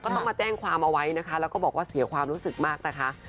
ต้องมาแจ้งความเอาไว้นะคะแล้วก็บอกว่าเสียความรู้สึกมากนะคะ